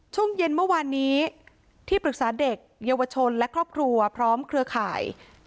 ช่วงเย็นเมื่อวานนี้ที่ปรึกษาเด็กเยาวชนและครอบครัวพร้อมเครือข่าย